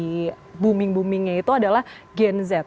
yang lagi booming boomingnya itu adalah gen z